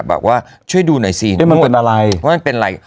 บอกว่าช่วยดูหน่อยสิมันเป็นอะไรว่ามันเป็นอะไร